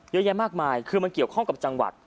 เยอะแยะมากมายคือมันเกี่ยวข้องกับจังหวัด